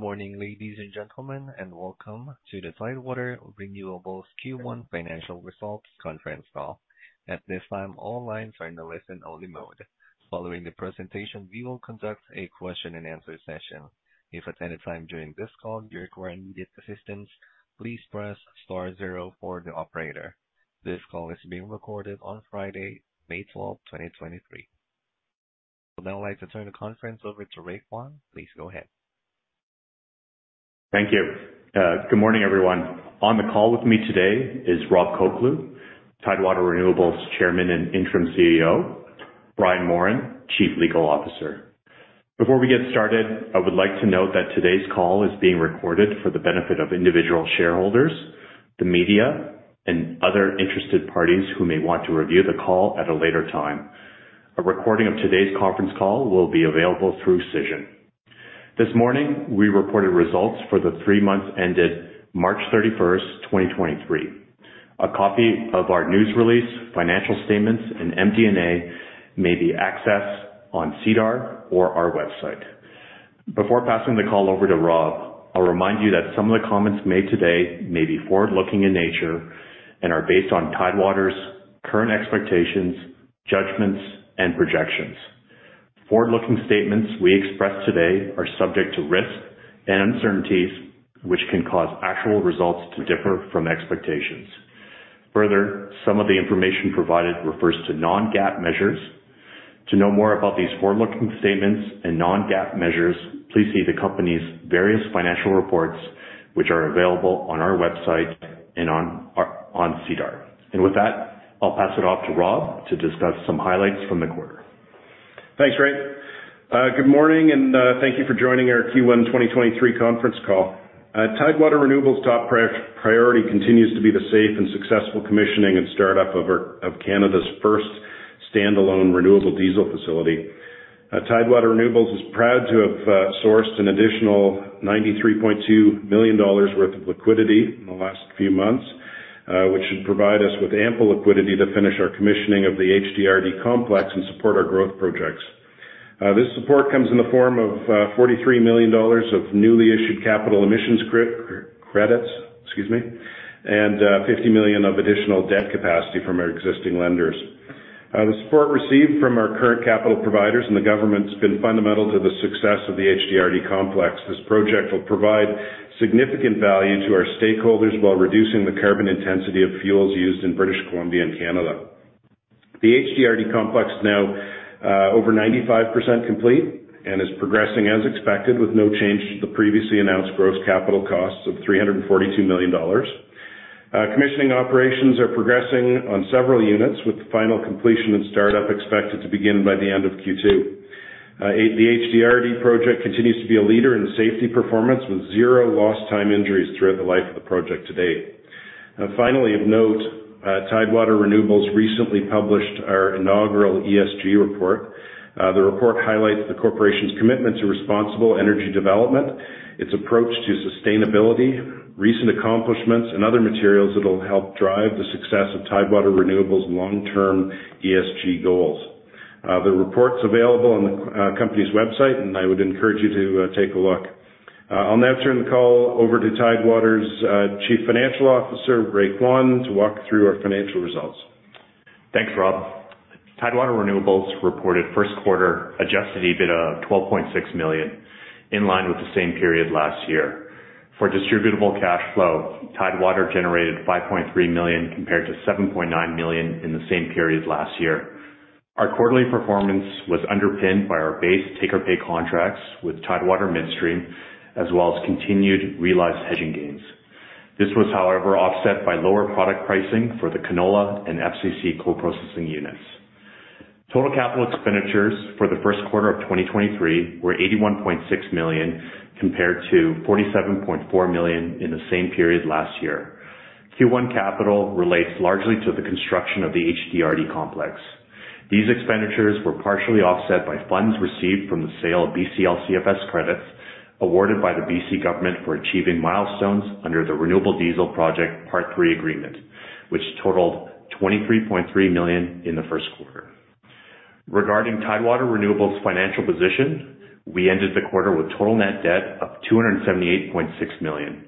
Good morning, ladies and gentlemen, and welcome to the Tidewater Renewables Q1 Financial Results Conference Call. At this time, all lines are in a listen-only mode. Following the presentation, we will conduct a question-and-answer session. If at any time during this call you require immediate assistance, please press star zero for the operator. This call is being recorded on Friday, May 12, 2023. I'd now like to turn the conference over to Ray Kwan. Please go ahead. Thank you. Good morning, everyone. On the call with me today is Robert Colcleugh, Tidewater Renewables Chairman and Interim CEO. Brian Moran, Chief Legal Officer. Before we get started, I would like to note that today's call is being recorded for the benefit of individual shareholders, the media and other interested parties who may want to review the call at a later time. A recording of today's conference call will be available through Cision. This morning, we reported results for the three months ended March 31st, 2023. A copy of our news release, financial statements, and MD&A may be accessed on SEDAR or our website. Before passing the call over to Rob, I'll remind you that some of the comments made today may be forward-looking in nature and are based on Tidewater's current expectations, judgments, and projections. Forward-looking statements we express today are subject to risks and uncertainties which can cause actual results to differ from expectations. Further, some of the information provided refers to non-GAAP measures. To know more about these forward-looking statements and non-GAAP measures, please see the company's various financial reports, which are available on our website and on SEDAR. With that, I'll pass it off to Rob to discuss some highlights from the quarter. Thanks, Ray. Good morning and thank you for joining our Q1 2023 conference call. Tidewater Renewables top priority continues to be the safe and successful commissioning and startup of Canada's first standalone renewable diesel facility. Tidewater Renewables is proud to have sourced an additional 93.2 million dollars worth of liquidity in the last few months, which should provide us with ample liquidity to finish our commissioning of the HDRD Complex and support our growth projects. This support comes in the form of 43 million dollars of newly issued capital emission credits, excuse me, and 50 million of additional debt capacity from our existing lenders. The support received from our current capital providers and the government's been fundamental to the success of the HDRD Complex. This project will provide significant value to our stakeholders while reducing the carbon intensity of fuels used in British Columbia and Canada. The HDRD Complex is now over 95% complete and is progressing as expected with no change to the previously announced gross capital costs of 342 million dollars. Commissioning operations are progressing on several units, with the final completion and startup expected to begin by the end of Q2. The HDRD Project continues to be a leader in safety performance with zero lost time injuries throughout the life of the project to date. Finally of note, Tidewater Renewables recently published our inaugural ESG report. The report highlights the corporation's commitment to responsible energy development, its approach to sustainability, recent accomplishments, and other materials that'll help drive the success of Tidewater Renewables' long-term ESG goals. The report's available on the company's website, and I would encourage you to take a look. I'll now turn the call over to Tidewater's Chief Financial Officer, Ray Kwan, to walk through our financial results. Thanks, Rob. Tidewater Renewables reported first quarter adjusted EBITDA of 12.6 million, in line with the same period last year. For distributable cash flow, Tidewater generated 5.3 million, compared to 7.9 million in the same period last year. Our quarterly performance was underpinned by our base take-or-pay contracts with Tidewater Midstream, as well as continued realized hedging gains. This was, however, offset by lower product pricing for the canola and FCC co-processing units. Total capital expenditures for the first quarter of 2023 were 81.6 million, compared to 47.4 million in the same period last year. Q1 capital relates largely to the construction of the HDRD Complex. These expenditures were partially offset by funds received from the sale of BCLCFS credits awarded by the BC government for achieving milestones under the Renewable Diesel ‎Project Part three Agreement, which totaled 23.3 million in the first quarter. Regarding Tidewater Renewables' financial position, we ended the quarter with total net debt of 278.6 million.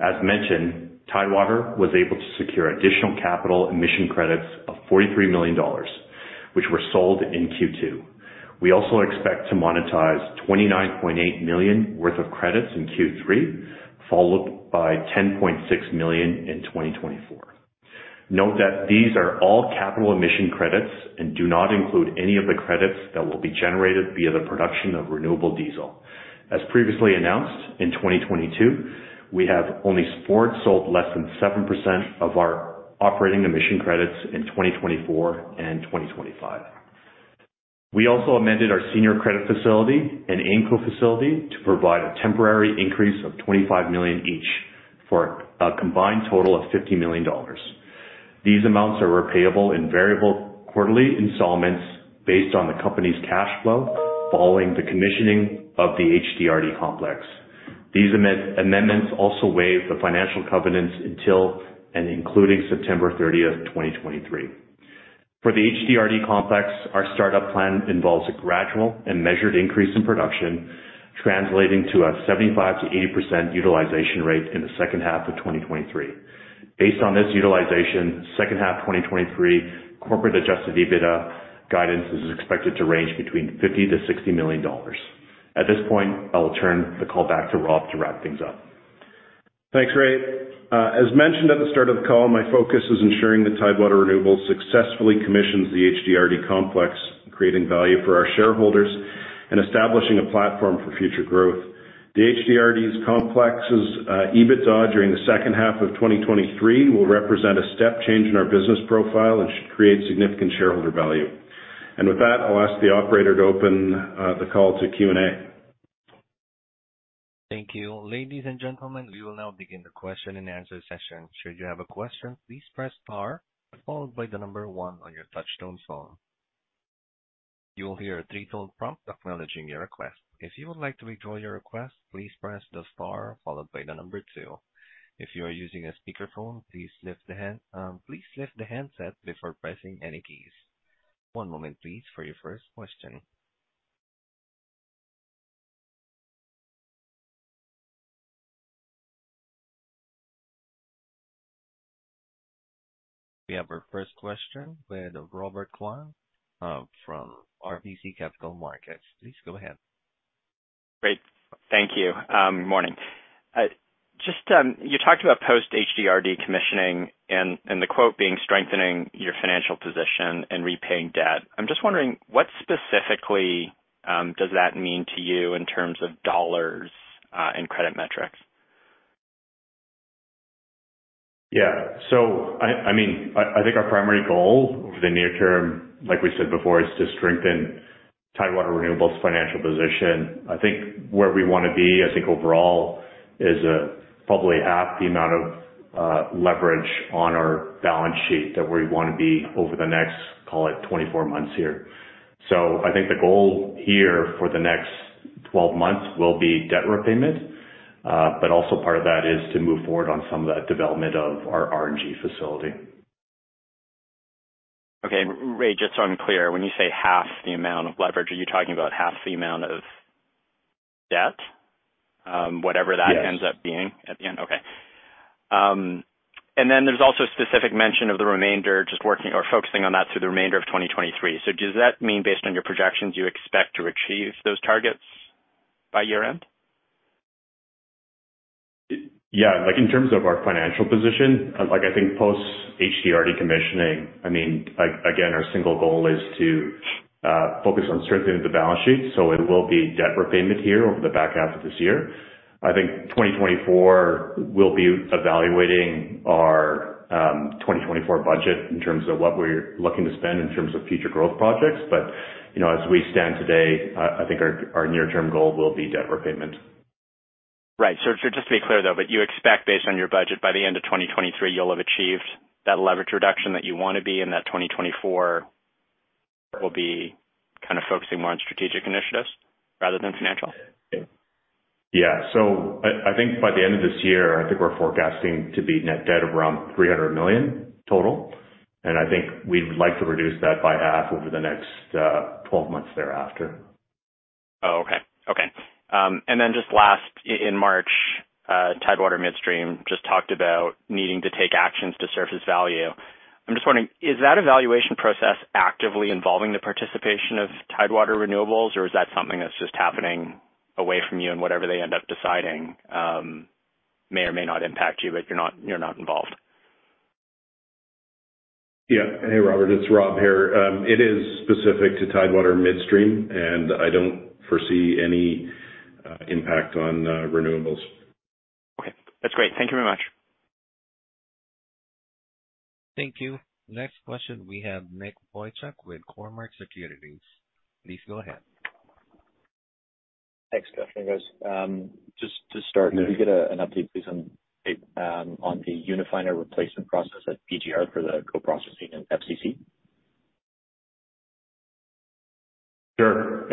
As mentioned, Tidewater was able to secure additional capital emission credits of 43 million dollars, which were sold in Q2. We also expect to monetize 29.8 million worth of credits in Q3, followed by 10.6 million in 2024. Note that these are all capital emission credits and do not include any of the credits that will be generated via the production of renewable diesel. As previously announced, in 2022, we have only forward sold less than 7% of our operating emission credits in 2024 and 2025. We also amended our senior credit facility and AIMCo Facility to provide a temporary increase of $25 million each for a combined total of $50 million. These amounts are repayable in variable quarterly installments based on the company's cash flow following the commissioning of the HDRD Complex. These amendments also waive the financial covenants until and including September 30th, 2023. For the HDRD Complex, our startup plan involves a gradual and measured increase in production, translating to a 75%-80% utilization rate in the second half of 2023. Based on this utilization, second half 2023 corporate adjusted EBITDA guidance is expected to range between $50 million-$60 million. At this point, I will turn the call back to Rob to wrap things up. Thanks, Ray. As mentioned at the start of the call, my focus is ensuring that Tidewater Renewables successfully commissions the HDRD Complex, creating value for our shareholders and establishing a platform for future growth. The HDRD's complexes, EBITDA during the second half of 2023 will represent a step change in our business profile and should create significant shareholder value. With that, I'll ask the operator to open the call to Q&A. Thank you. Ladies and gentlemen, we will now begin the question and answer session. Should you have a question, please press star followed by the number 1 on your touch tone phone. You will hear a 3-tone prompt acknowledging your request. If you would like to withdraw your request, please press the star followed by the number 2. If you are using a speaker phone, please lift the handset before pressing any keys. One moment please for your first question. We have our first question with Robert Kwan from RBC Capital Markets. Please go ahead. Great. Thank you. Morning. Just, you talked about post HDRD commissioning and the quote being strengthening your financial position and repaying debt. I'm just wondering what specifically, does that mean to you in terms of Canadian dollars, and credit metrics? I mean, I think our primary goal over the near term, like we said before, is to strengthen Tidewater Renewables financial position. I think where we wanna be, I think overall is probably half the amount of leverage on our balance sheet that we wanna be over the next, call it 24 months here. I think the goal here for the next 12 months will be debt repayment. But also part of that is to move forward on some of that development of our RNG facility. Okay. Ray, just so I'm clear, when you say half the amount of leverage, are you talking about half the amount of debt? Yes. -ends up being at the end. Okay. Then there's also specific mention of the remainder just working or focusing on that through the remainder of 2023. Does that mean based on your projections, you expect to achieve those targets by year end? Yeah. Like, in terms of our financial position, like I think post HDRD commissioning, I mean, like again, our single goal is to focus on strengthening the balance sheet. It will be debt repayment here over the back half of this year. I think 2024 we'll be evaluating our 2024 budget in terms of what we're looking to spend in terms of future growth projects. You know, as we stand today, I think our near term goal will be debt repayment. Right. Just to be clear, though, but you expect based on your budget, by the end of 2023, you'll have achieved that leverage reduction that you want to be and that 2024 will be kind of focusing more on strategic initiatives rather than financial? Yeah. I think by the end of this year, I think we're forecasting to be net debt of around 300 million total. I think we'd like to reduce that by half over the next 12 months thereafter. Oh, okay. Okay. Just last, in March, Tidewater Midstream just talked about needing to take actions to surface value. I'm just wondering, is that evaluation process actively involving the participation of Tidewater Renewables, or is that something that's just happening away from you and whatever they end up deciding, may or may not impact you, but you're not involved? Yeah. Hey, Robert, it's Rob here. It is specific to Tidewater Midstream, I don't foresee any impact on renewables. Okay. That's great. Thank you very much. Thank you. Next question we have Nick Boychuk with Cormark Securities. Please go ahead. Thanks. Good afternoon, guys. Yeah. Can we get an update please on the Unifiner replacement process at PGR for the co-processing and FCC? Sure.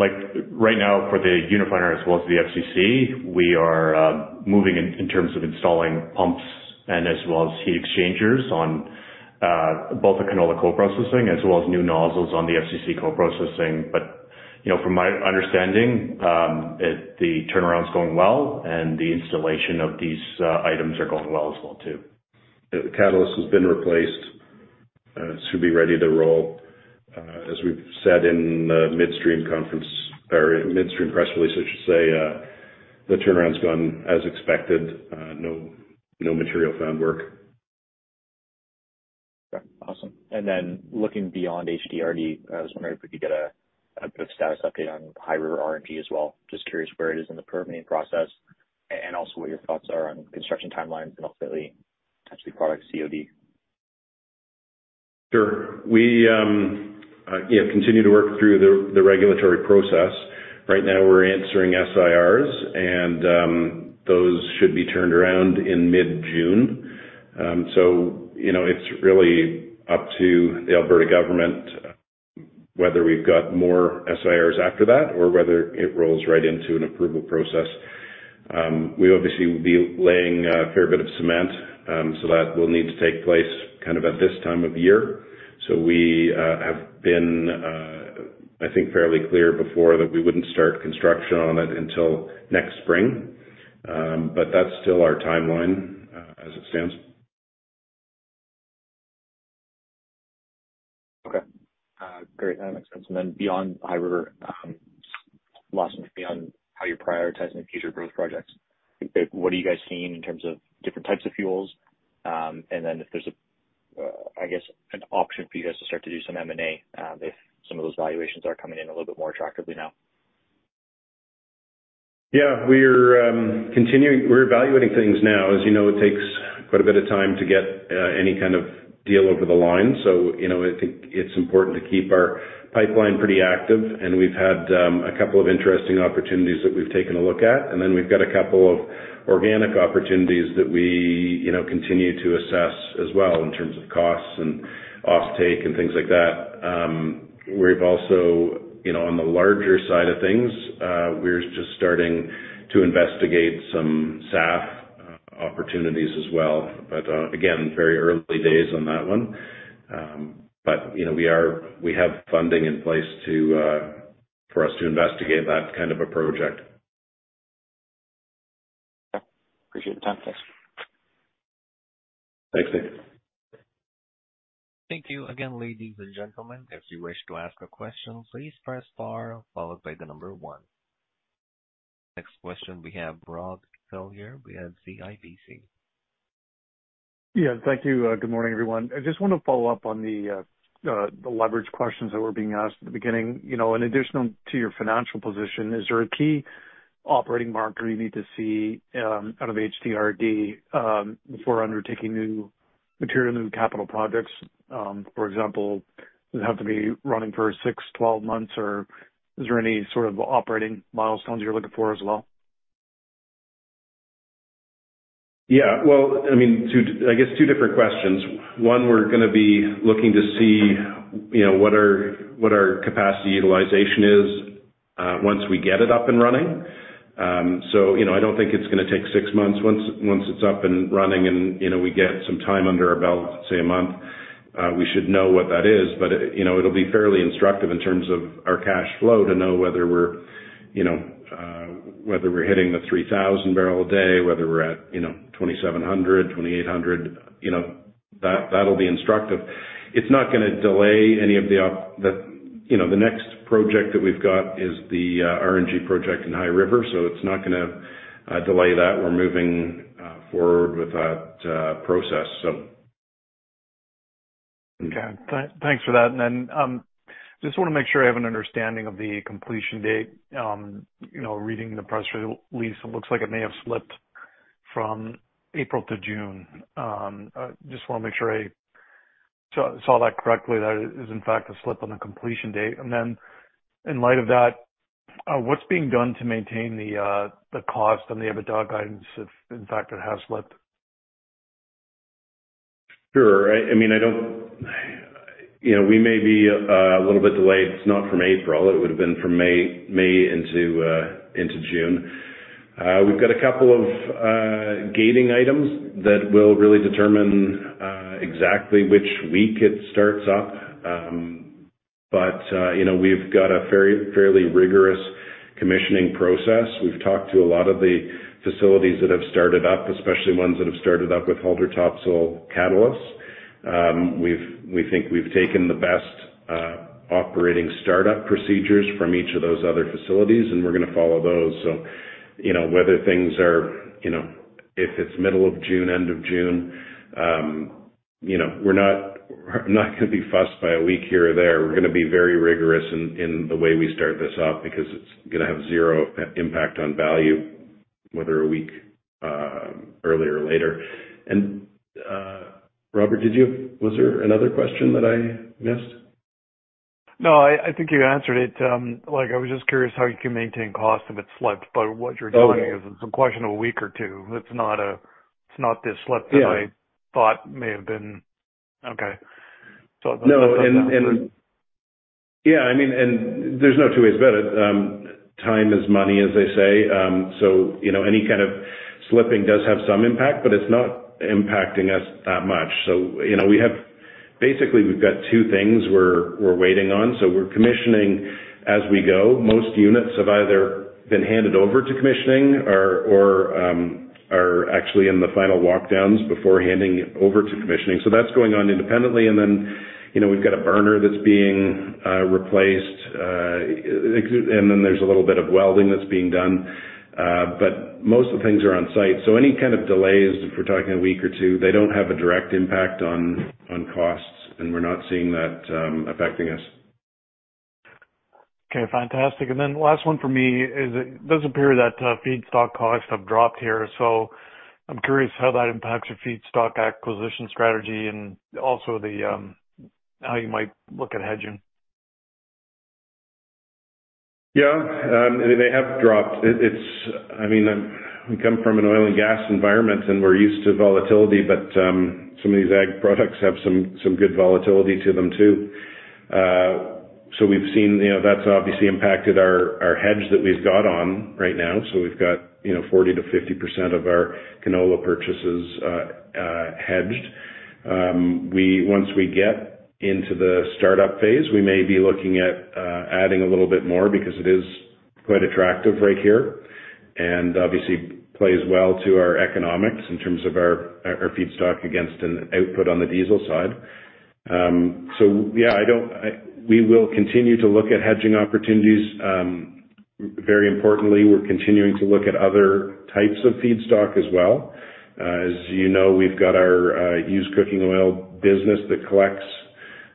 like right now for the Unifiner as well as the FCC, we are moving in terms of installing pumps and as well as heat exchangers on both the canola co-processing as well as new nozzles on the FCC co-processing. You know, from my understanding, the turnaround's going well and the installation of these items are going well as well too. The catalyst has been replaced, should be ready to roll. As we've said in the midstream conference or midstream press release, I should say, the turnaround's gone as expected. No material found work. Okay, awesome. Looking beyond HDRD, I was wondering if we could get a bit of status update on High River RNG as well. Curious where it is in the permitting process and also what your thoughts are on construction timelines and ultimately potentially product COD? Sure. We, you know, continue to work through the regulatory process. Right now we're answering SIRs and those should be turned around in mid-June. You know, it's really up to the Alberta government, whether we've got more SIRs after that or whether it rolls right into an approval process. We obviously will be laying a fair bit of cement, so that will need to take place kind of at this time of year. We have been, I think, fairly clear before that we wouldn't start construction on it until next spring. That's still our timeline as it stands. Okay. Great. That makes sense. Beyond High River, last one would be on how you're prioritizing future growth projects. What are you guys seeing in terms of different types of fuels? If there's a, I guess, an option for you guys to start to do some M&A, if some of those valuations are coming in a little bit more attractively now. Yeah, we're continuing. We're evaluating things now. As you know it takes quite a bit of time to get any kind of deal over the line. You know, I think it's important to keep our pipeline pretty active. We've had a couple of interesting opportunities that we've taken a look at. We've got a couple of organic opportunities that we, you know, continue to assess as well in terms of costs and offtake and things like that. We've also, you know, on the larger side of things, we're just starting to investigate some SAF opportunities as well. Again, very early days on that one. But, you know, we have funding in place to for us to investigate that kind of a project. Okay. Appreciate the time. Thanks. Thanks, Nick. Thank you again, ladies and gentlemen. If you wish to ask a question, please press star followed by the number one. Next question we have Robert Catellier we have CIBC. Thank you. Good morning, everyone. I just want to follow up on the leverage questions that were being asked at the beginning. You know, in additional to your financial position, is there a key operating marker you need to see out of HDRD before undertaking new material, new capital projects? For example, does it have to be running for six, 12 months, or is there any sort of operating milestones you're looking for as well? Well, I mean, I guess two different questions. One, we're gonna be looking to see, you know, what our capacity utilization is once we get it up and running. You know, I don't think it's gonna take six months. Once, once it's up and running and, you know, we get some time under our belt, say a month, we should know what that is. It, you know, it'll be fairly instructive in terms of our cash flow to know whether we're, you know, whether we're hitting the 3,000 barrel a day, whether we're at, you know, 2,700, 2,800. You know, that'll be instructive. It's not gonna delay any of the, you know, the next project that we've got is the RNG project in High River, it's not gonna delay that. We're moving forward with that process, so. Okay. Thanks for that. Just wanna make sure I have an understanding of the completion date. You know, reading the press release, it looks like it may have slipped from April to June. Just wanna make sure I saw that correctly. That is in fact a slip on the completion date. In light of that, what's being done to maintain the cost and the EBITDA guidance if in fact it has slipped? Sure. I mean, I don't... You know, we may be a little bit delayed. It's not from April, it would have been from May into June. We've got a couple of gating items that will really determine exactly which week it starts up. You know, we've got a very fairly rigorous commissioning process. We've talked to a lot of the facilities that have started up, especially ones that have started up with Haldor Topsoe catalysts. We think we've taken the best operating startup procedures from each of those other facilities, and we're gonna follow those. You know, whether things are, you know, if it's middle of June, end of June, you know, we're not, we're not gonna be fussed by a week here or there. We're gonna be very rigorous in the way we start this up because it's gonna have zero impact on value whether a week earlier or later. Robert, was there another question that I missed? No, I think you answered it. Like, I was just curious how you can maintain cost if it slipped, but what you're telling me is it's a question of a week or two. It's not the slip that I thought may have been. Okay. No. Yeah, I mean, there's no two ways about it. Time is money, as they say. You know, any kind of slipping does have some impact, but it's not impacting us that much. You know, Basically, we've got two things we're waiting on. We're commissioning as we go. Most units have either been handed over to commissioning or are actually in the final walkdowns before handing it over to commissioning. That's going on independently. Then, you know, we've got a burner that's being replaced. Then there's a little bit of welding that's being done. Most of the things are on site. Any kind of delays, if we're talking a week or two, they don't have a direct impact on costs and we're not seeing that, affecting us. Okay. Fantastic. Last one for me is it does appear that feedstock costs have dropped here. I'm curious how that impacts your feedstock acquisition strategy and also the, how you might look at hedging. Yeah. They have dropped. I mean, we come from an oil and gas environment, and we're used to volatility, but some of these ag products have some good volatility to them too. We've seen... You know, that's obviously impacted our hedge that we've got on right now. We've got, you know, 40%-50% of our canola purchases hedged. Once we get into the startup phase, we may be looking at adding a little bit more because it is quite attractive right here, and obviously plays well to our economics in terms of our feedstock against an output on the diesel side. Yeah, I don't... We will continue to look at hedging opportunities. Very importantly, we're continuing to look at other types of feedstock as well. As you know, we've got our used cooking oil business that collects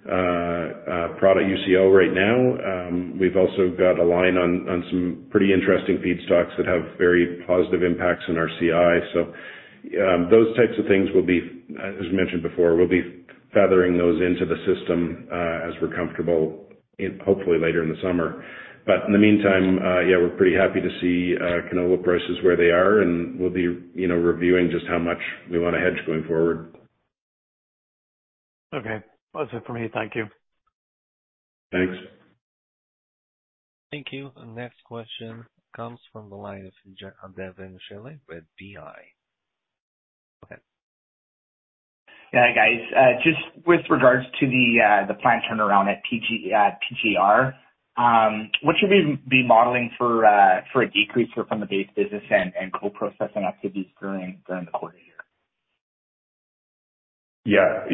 product UCO right now. We've also got a line on some pretty interesting feedstocks that have very positive impacts in our CI. Those types of things will be, as mentioned before, we'll be feathering those into the system as we're comfortable in, hopefully later in the summer. In the meantime, yeah, we're pretty happy to see canola prices where they are, and we'll be, you know, reviewing just how much we want to hedge going forward. Okay. That's it for me. Thank you. Thanks. Thank you. The next question comes from the line of [Jacob]Devin Sills with BMO Capital Markets. Go ahead. Yeah. Hi, guys. Just with regards to the plant turnaround at TGR, what should we be modeling for a decrease from the base business and co-processing activities during the quarter year? Yeah.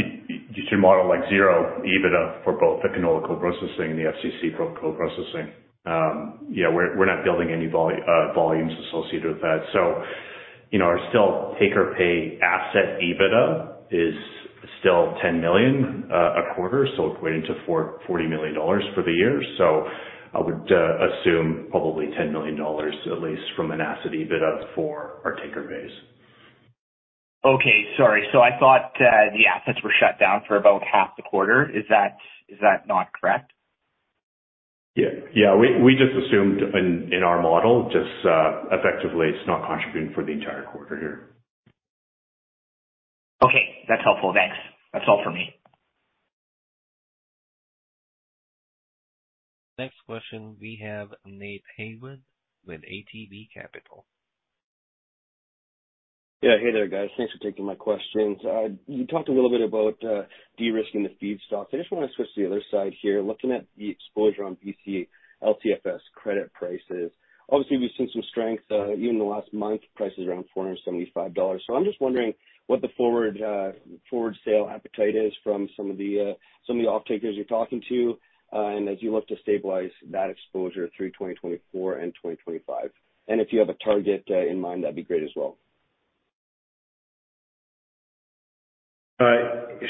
You should model zero EBITDA for both the canola co-processing and the FCC co-processing. Yeah, we're not building any volumes associated with that. You know, our still take-or-pay asset EBITDA is still $10 million a quarter, equating to $40 million for the year. I would assume probably $10 million at least from an asset EBITDA for our take-or-pays. Okay. Sorry. I thought the assets were shut down for about half the quarter. Is that, is that not correct? Yeah. Yeah. We just assumed in our model, just effectively it's not contributing for the entire quarter here. Okay. That's helpful. Thanks. That's all for me. Next question we have Nate Heywood with ATB Capital. Hey there, guys. Thanks for taking my questions. You talked a little bit about de-risking the feedstocks. I just want to switch to the other side here, looking at the exposure on BC LCFS credit prices. Obviously, we've seen some strength, even in the last month, prices around 475 dollars. I'm just wondering what the forward sale appetite is from some of the, some of the offtakers you're talking to, and as you look to stabilize that exposure through 2024 and 2025. And if you have a target, in mind, that'd be great as well.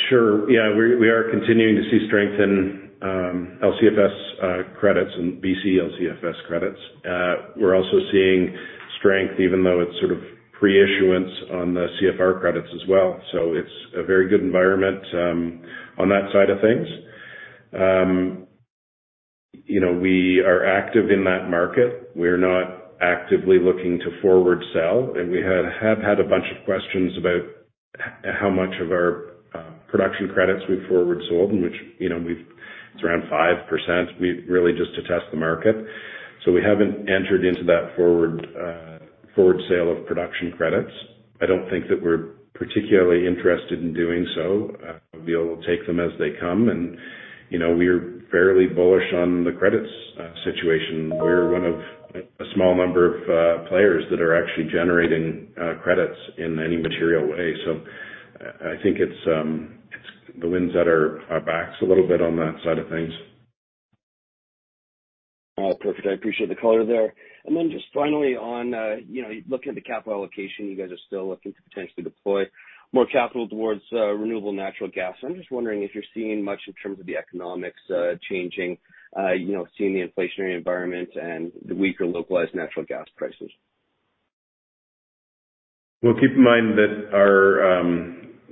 Sure. Yeah, we are continuing to see strength in LCFS credits and BC LCFS credits. We're also seeing strength even though it's sort of pre-issuance on the CFR credits as well. It's a very good environment on that side of things. You know, we are active in that market. We're not actively looking to forward sell. We have had a bunch of questions about how much of our production credits we've forward sold, and which, you know, we've. It's around 5%. Really just to test the market. We haven't entered into that forward forward sale of production credits. I don't think that we're particularly interested in doing so. We'll take them as they come. You know, we're fairly bullish on the credits situation. We're one of a small number of players that are actually generating credits in any material way. I think it's the winds at our backs a little bit on that side of things. Perfect. I appreciate the color there. Just finally on, you know, looking at the capital allocation, you guys are still looking to potentially deploy more capital towards renewable natural gas. I'm just wondering if you're seeing much in terms of the economics, changing, you know, seeing the inflationary environment and the weaker localized natural gas prices. Well, keep in mind that our,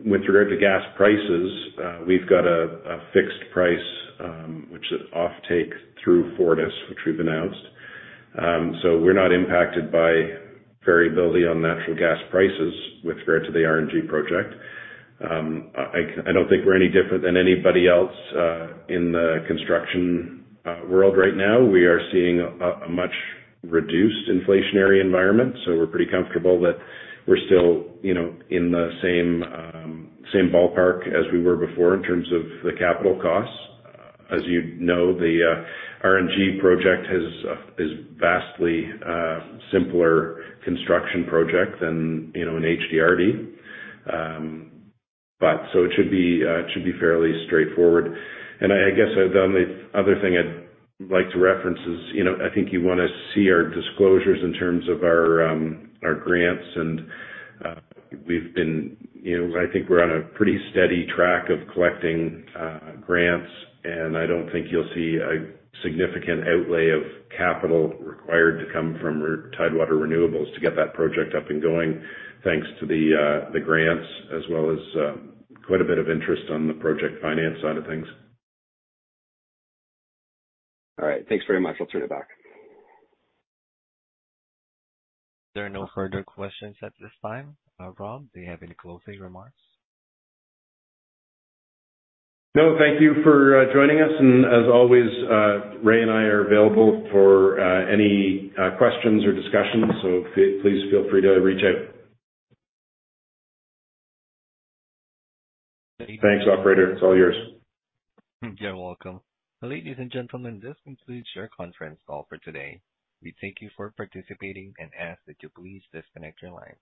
with regard to gas prices, we've got a fixed price, which is offtake through FortisBC, which we've announced. We're not impacted by variability on natural gas prices with regard to the RNG project. I don't think we're any different than anybody else in the construction world right now. We are seeing a much reduced inflationary environment, we're pretty comfortable that we're still, you know, in the same ballpark as we were before in terms of the capital costs. As you know, the RNG project is vastly simpler construction project than, you know, an HDRD. It should be fairly straightforward. I guess the only other thing I'd like to reference is, you know, I think you want to see our disclosures in terms of our grants. We've been, you know, I think we're on a pretty steady track of collecting grants, and I don't think you'll see a significant outlay of capital required to come from Tidewater Renewables to get that project up and going, thanks to the grants as well as quite a bit of interest on the project finance side of things. All right. Thanks very much. I'll turn it back. There are no further questions at this time. Rob, do you have any closing remarks? No. Thank you for joining us. As always, Ray and I are available for any questions or discussions. Please feel free to reach out. Thanks, operator. It's all yours. You're welcome. Ladies and gentlemen, this concludes your conference call for today. We thank you for participating and ask that you please disconnect your line.